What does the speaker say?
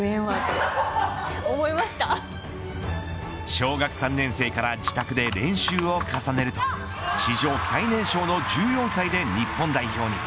小学３年生から自宅で練習を重ねると史上最年少の１４歳で日本代表に。